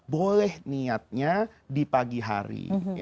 boleh niatnya di pagi hari